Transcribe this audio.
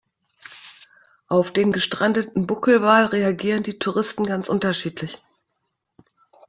Auf den gestrandeten Buckelwal reagieren die Touristen ganz unterschiedlich.